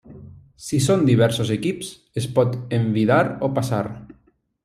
Si són diversos equips, es pot envidar o passar.